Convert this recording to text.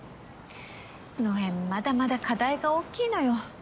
そのへんまだまだ課題が大きいのよ。